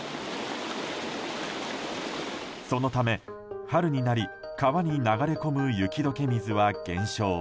そのため、春になり川に流れ込む雪解け水は減少。